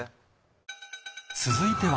続いては